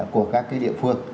của các cái địa phương